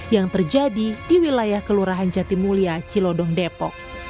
yang terjadi di wilayah kelurahan jatimulia cilodong depok